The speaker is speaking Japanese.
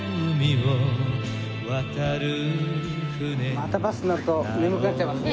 またバスに乗ると眠くなっちゃいますね。